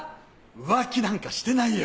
浮気なんかしてないよ。